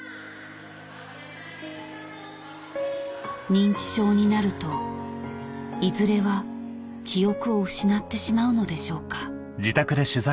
認知症になるといずれは記憶を失ってしまうのでしょうか？